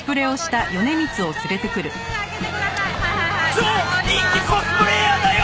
超人気コスプレーヤーだよ！